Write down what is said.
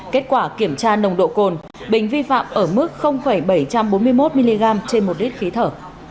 kết quả kiểm tra nồng độ cồn bình vi phạm ở mức bảy trăm bốn mươi một mg trên một lít khí thở